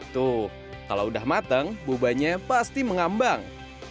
tuh kalau udah mateng bubahnya pasti mengambang